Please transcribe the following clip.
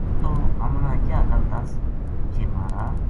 توہ ہم نا یاہ گل دس ! جی مہارا